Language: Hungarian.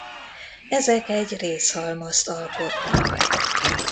Ezek egy részhalmazt alkotnak.